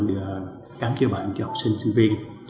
để khám chứa bệnh cho học sinh sinh viên